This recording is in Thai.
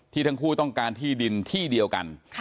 ทั้งคู่ต้องการที่ดินที่เดียวกัน